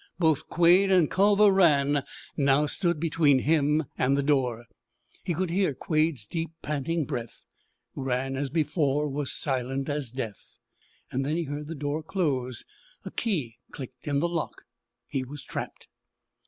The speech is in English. Both Quade and Culver Rann now stood between him and the door. He could hear Quade's deep, panting breath. Rann, as before, was silent as death. Then he heard the door close. A key clicked in the lock. He was trapped.